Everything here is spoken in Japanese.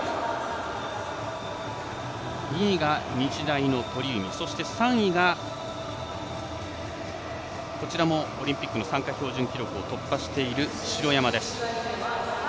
２位が日大の鳥海３位がオリンピックの参加標準記録を突破している城山です。